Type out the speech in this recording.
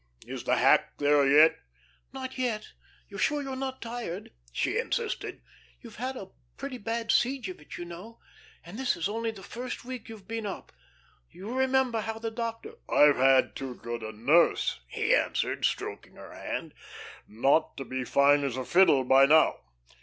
Is the hack there yet?" "Not yet. You're sure you're not tired?" she insisted. "You had a pretty bad siege of it, you know, and this is only the first week you've been up. You remember how the doctor " "I've had too good a nurse," he answered, stroking her hand, "not to be fine as a fiddle by now.